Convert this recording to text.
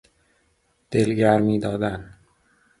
دلگرمی دادن